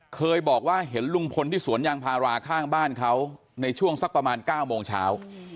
เคยบอกว่าเห็นลุงพลที่สวนยางพาราข้างบ้านเขาในช่วงสักประมาณ๙โมงเช้า